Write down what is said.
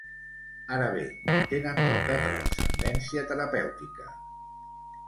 Ara bé, tenen poca transcendència terapèutica.